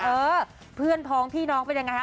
เออเพื่อนพ้องพี่น้องเป็นยังไงฮ